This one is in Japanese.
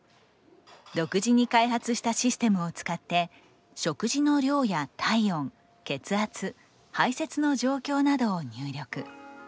独自に開発したシステムを使って食事の量や体温血圧排せつの状況などを入力。